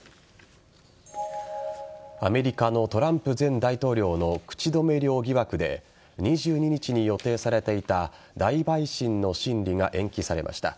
アメリカのトランプ前大統領の口止め料疑惑で２２日に予定されていた大陪審の審理が延期されました。